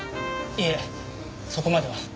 いえそこまでは。